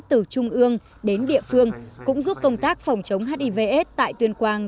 từ trung ương đến địa phương cũng giúp công tác phòng chống hiv aids tại tuyên quang